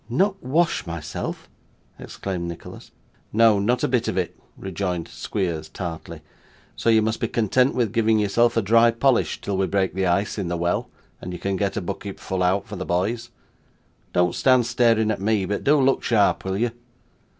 'Not wash myself!' exclaimed Nicholas. 'No, not a bit of it,' rejoined Squeers tartly. 'So you must be content with giving yourself a dry polish till we break the ice in the well, and can get a bucketful out for the boys. Don't stand staring at me, but do look sharp, will you?